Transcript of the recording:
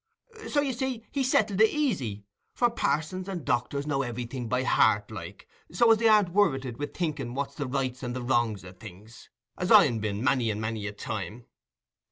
So you see he settled it easy; for parsons and doctors know everything by heart, like, so as they aren't worreted wi' thinking what's the rights and wrongs o' things, as I'n been many and many's the time.